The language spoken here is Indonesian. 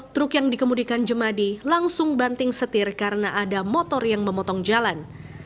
truk yang dikemudikan jemadi langsung banting setir karena ada motor yang memotong jalan